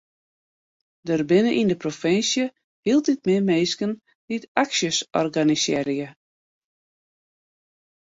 Der binne yn de provinsje hieltyd mear minsken dy't aksjes organisearje.